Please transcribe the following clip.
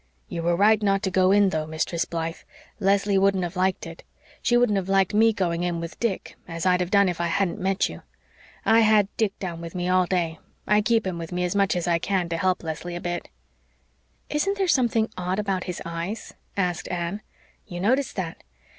"You were right not to go in, though, Mistress Blythe. Leslie wouldn't have liked it. She wouldn't have liked me going in with Dick, as I'd have done if I hadn't met you. I had Dick down with me all day. I keep him with me as much as I can to help Leslie a bit." "Isn't there something odd about his eyes?" asked Anne. "You noticed that?